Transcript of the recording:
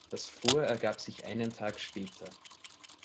Das Fort ergab sich einen Tag später.